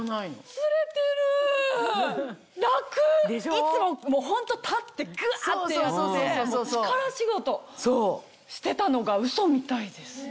いつもホント立ってぐわ！ってやって力仕事してたのがうそみたいです。